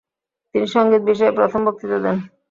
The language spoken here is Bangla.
তিনি সঙ্গীত-বিষয়ে প্রথম বক্তৃতা দেন।